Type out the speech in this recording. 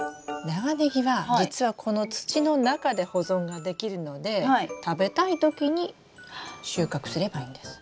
長ネギは実はこの土の中で保存ができるので食べたい時に収穫すればいいんです。